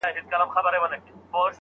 آیا خوله کول تر لړزېدلو ښه نښه ده؟